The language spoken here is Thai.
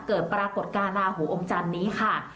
เกิดปรากฏการณ์ลาหูองค์จันนี้ค่ะ